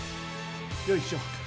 よいしょ。